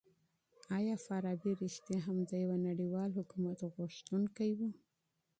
آیا فارابي رښتيا هم د يوه نړيوال حکومت غوښتونکی و؟